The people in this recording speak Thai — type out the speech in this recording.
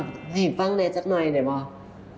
พี่ฟังในจักรหน่อยได้ป่ะ